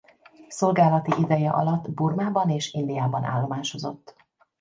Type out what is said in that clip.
Szolgálati ideje alatt Burmában és Indiában állomásozott.